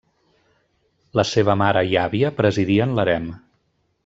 La seva mare i àvia presidien l'harem.